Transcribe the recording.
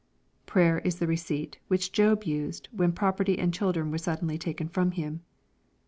— Prayer is the receipt which Job used when property and children were suddenly taken from him.